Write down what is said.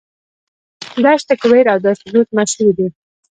دشت کویر او دشت لوت مشهورې دي.